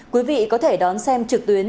quý vị có thể đón xem trực tiếp